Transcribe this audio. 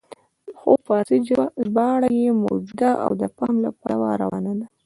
خو فارسي ژباړه یې موجوده او د فهم له پلوه روانه ده.